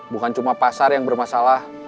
bukan cuma pasar yang bermasalah